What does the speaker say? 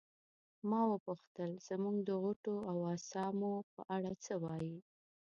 ما وپوښتل زموږ د غوټو او اسامو په اړه څه وایې.